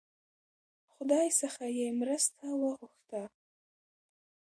خدای څخه یې مرسته وغوښته.